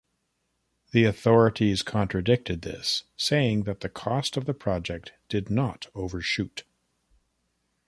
The authorities contradicted this, saying that the cost of the project did not overshoot.